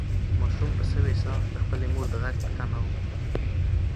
ماشوم په سوې ساه د خپلې مور د غږ په تمه و.